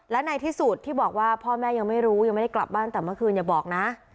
และในที่สุดที่บอกว่าพ่อแม่ยังไม่รู้ยังไม่ได้กลับบ้านแต่เมื่อคืนอย่าบอกนะ